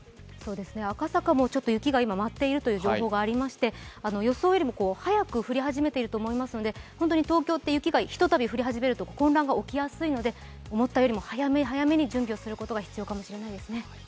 赤坂もちょっと今雪が舞っているという情報がありまして予想よりも早く降り始めていると思いますので東京って雪がひとたび降り始めると混乱が起きやすいので思ったよりも早め早めに準備をすることが必要かもしれませんね。